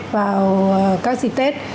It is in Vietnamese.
vào các dịp tết